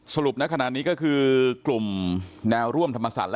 สรุปนะขณะนี้ก็คือกลุ่มแนวร่วมธรรมศาสตร์